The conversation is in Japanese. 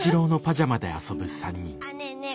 ねえねえ